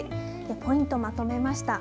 ポイントまとめました。